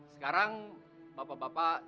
sekarang bapak bapak